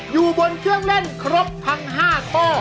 อยู่บนเครื่องเล่นครบทั้ง๕ข้อ